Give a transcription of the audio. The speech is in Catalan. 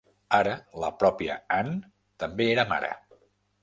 Ara la pròpia Ann també era mare.